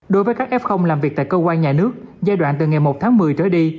đối với các f làm việc tại cơ quan nhà nước giai đoạn từ ngày một tháng một mươi trở đi